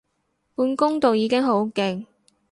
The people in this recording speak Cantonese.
半工讀已經好勁